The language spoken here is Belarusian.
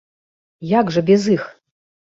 Як жа без іх!